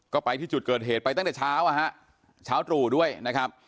ก็ไปที่จุดเกิดเหตุไปตั้งแต่เช้าอ่ะฮะเช้าตรู่ด้วยนะครับ